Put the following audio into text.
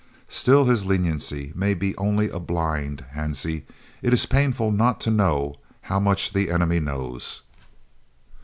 "Still this leniency may be only a blind, Hansie. It is painful not to know how much the enemy knows."